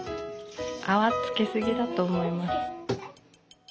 あわつけすぎだとおもいます。